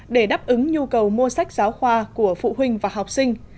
để đáp ứng nhu cầu mua sách giáo khoa của phụ huynh và học sinh